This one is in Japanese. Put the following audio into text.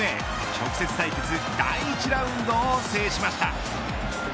直接対決第１ラウンドを制しました。